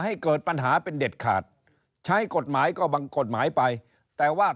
ให้เกิดปัญหาเป็นเด็ดขาดใช้กฎหมายก็บังกฎหมายไปแต่ว่า